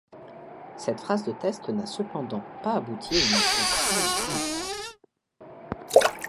Cette phase de test n'a cependant pas abouti à une implantation définitive.